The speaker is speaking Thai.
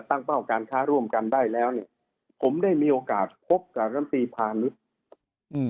เป้าการค้าร่วมกันได้แล้วเนี่ยผมได้มีโอกาสพบกับลำตีพานุษย์อืม